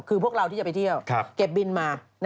คือพวกเราที่จะไปเที่ยวเก็บบินมา